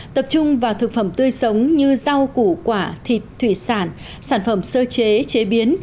tập trung vào thực phẩm tươi sống như rau củ quả thịt thủy sản sản phẩm sơ chế chế biến